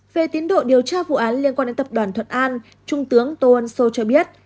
về tiến độ điều tra vụ án liên quan đến tập đoàn thuận an trung tướng tô ân sô cho biết